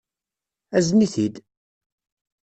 Azen-it-id!